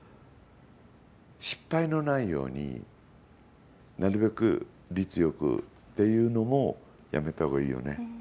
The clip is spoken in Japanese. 失敗のないようになるべく率よくっていうのもやめた方がいいよね。